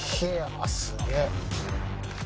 すげえ。